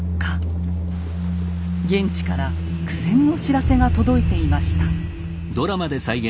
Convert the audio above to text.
現地から苦戦の知らせが届いていました。